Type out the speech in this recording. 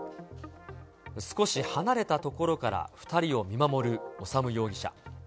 少し離れた所から２人を見守る修容疑者。